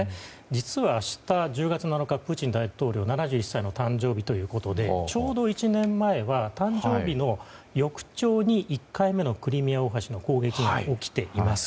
実は明日、１０月７日はプーチン大統領が７１歳の誕生日ということでちょうど１年前は誕生日の翌朝に１回目のクリミア大橋の攻撃が起きています。